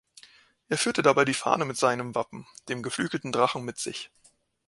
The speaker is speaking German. Er führte dabei die Fahne mit seinem Wappen, dem geflügelten Drachen, mit sich.